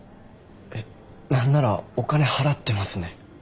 何ならお金払ってますね。